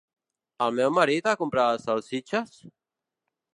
El meu marit ha comprat les salsitxes?